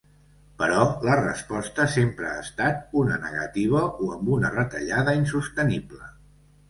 Però la resposta sempre ha estat una negativa o amb una retallada insostenible.